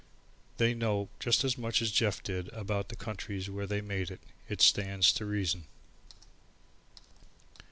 They know just as much as Jeff did about the countries where they make it. It stands to reason.